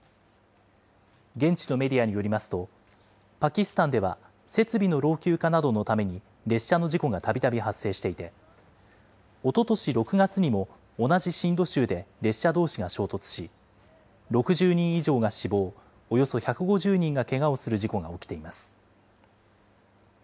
現地のメディアによりますと、パキスタンでは設備の老朽化などのために列車の事故がたびたび発生していて、おととし６月にも同じシンド州で列車どうしが衝突し、６０人以上が死亡、およそ１５０人がけがをする事故が起きています。